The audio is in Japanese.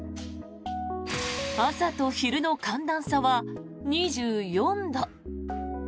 朝と昼の寒暖差は２４度。